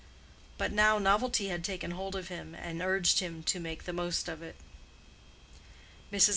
But now novelty had taken hold of him and urged him to make the most of it. Mrs.